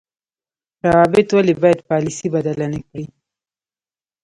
روابط ولې باید پالیسي بدله نکړي؟